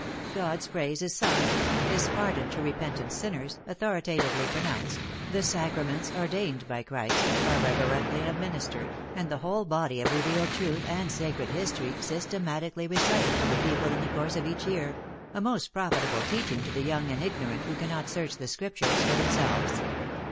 God s praise is sung, his pardon to repentant sinners authori tatively pronounced, the sacrarnents ordained by Christ are reverently administered, and the whole body of revealed truth and sacred history sytemati cally recited to the people in the course of each year a most profitable teaching to the young and ig norant, who cannot search the Scriptures for them selves.